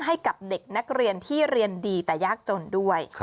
ให้กับเด็กนักเรียนที่เรียนดีแต่ยากจนด้วย